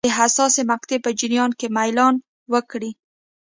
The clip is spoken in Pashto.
د حساسې مقطعې په جریان کې میلان وکړي.